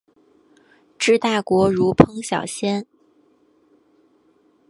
治大国如烹小鲜。